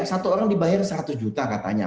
satu orang dibayar seratus juta katanya